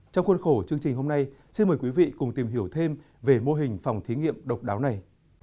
trong khuôn khổ chương trình hôm nay xin mời quý vị cùng tìm hiểu thêm về mô hình phòng thí nghiệm độc đáo này